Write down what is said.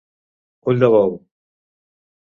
Ull de bou.